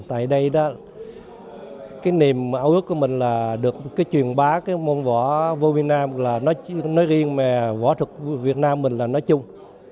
tại đây đó cái niềm ưu ước của mình là được cái truyền bá cái môn võ vô việt nam là nói riêng mà võ thực việt nam mình là nói chung